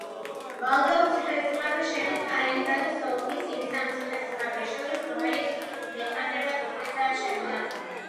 ვალდაუს ციხესიმაგრე შედის კალინინგრადის ოლქის იმ სამ ციხესიმაგრეს შორის რომელიც მეტნაკლებად უკეთაა შემონახული.